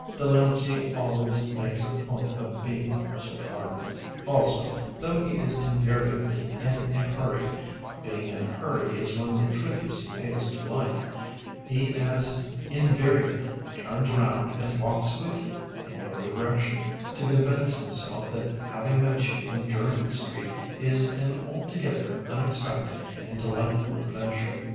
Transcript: Delancey always makes a point of being surprised. Also, though he is invariably in a hurry being in a hurry is one of the tributes he pays to life he as invariably turns round and walks with you, in your direction, to convince himself that having met you in Jermyn Street is an altogether unexpected and delightful adventure.